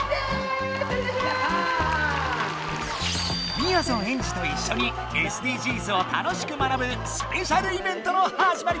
みやぞんエンジといっしょにＳＤＧｓを楽しく学ぶスペシャルイベントのはじまりだ！